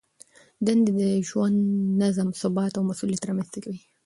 دندې د ژوند نظم، ثبات او مسؤلیت رامنځته کوي.